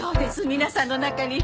皆さんの中に。